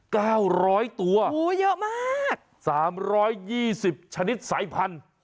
เก้าร้อยตัวโอ้โหเยอะมากสามร้อยยี่สิบชนิดสายพันธุ์